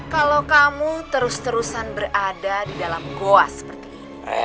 kalau kamu terus terusan berada di dalam goa seperti ini